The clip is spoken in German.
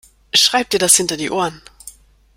Schreib dir das hinter die Ohren!